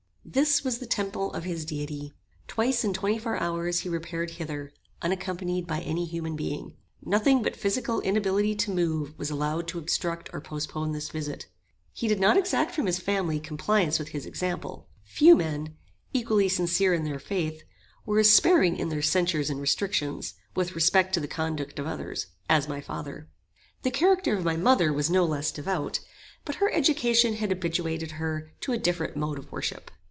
This was the temple of his Deity. Twice in twenty four hours he repaired hither, unaccompanied by any human being. Nothing but physical inability to move was allowed to obstruct or postpone this visit. He did not exact from his family compliance with his example. Few men, equally sincere in their faith, were as sparing in their censures and restrictions, with respect to the conduct of others, as my father. The character of my mother was no less devout; but her education had habituated her to a different mode of worship.